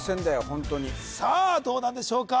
ホントにさあどうなんでしょうか